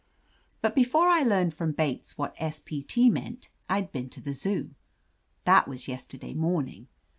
"But before I learned from Bates what S. P. T. meant, I'd been to the Zoo. That was yesterday morning.